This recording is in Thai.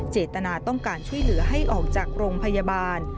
เจตนาต้องการช่วยเหลือให้ออกจากโรงพยาบาล